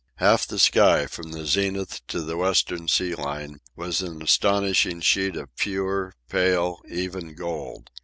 Half the sky, from the zenith to the western sea line, was an astonishing sheet of pure, pale, even gold.